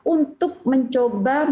untuk mencoba mencoba